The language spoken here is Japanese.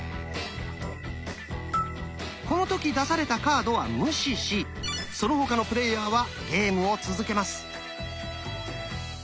この時出されたカードは無視しその他のプレイヤーはゲームを続けます。